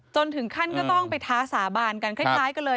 ถึงขั้นก็ต้องไปท้าสาบานกันคล้ายกันเลย